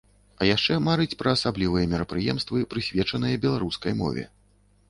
А яшчэ марыць пра асаблівыя мерапрыемствы, прысвечаныя беларускай мове.